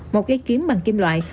một gây kiếm bằng kim loại